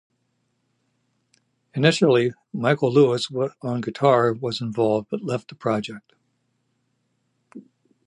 Initially Michael Lewis on guitar was involved but left the project.